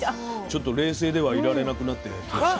ちょっと「冷静」ではいられなくなってきました。